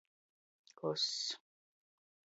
Koss.